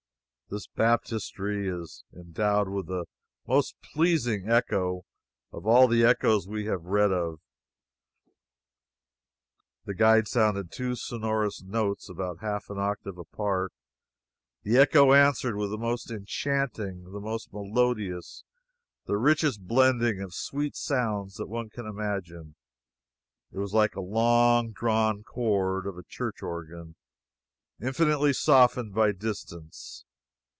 This Baptistery is endowed with the most pleasing echo of all the echoes we have read of. The guide sounded two sonorous notes, about half an octave apart; the echo answered with the most enchanting, the most melodious, the richest blending of sweet sounds that one can imagine. It was like a long drawn chord of a church organ, infinitely softened by distance.